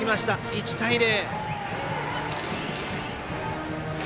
１対０。